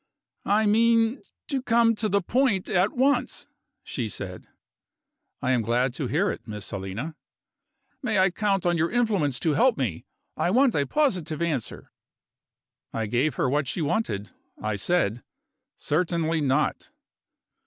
"I mean to come to the point at once," she said. "I am glad to hear it, Miss Helena." "May I count on your influence to help me? I want a positive answer." I gave her what she wanted. I said: "Certainly not."